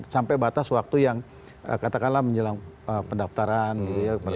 sampai batas waktu yang katakanlah menjelang pendaftaran gitu ya